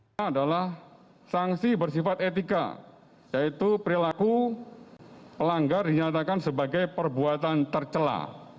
pertama adalah sanksi bersifat etika yaitu perilaku pelanggar dinyatakan sebagai perbuatan tercelah